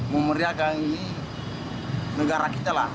memeriahkan ini negara kita lah